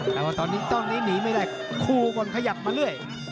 แต่ว่าตอนนี้หนีไม่ได้คู่ก็ขยับมาเรื่อย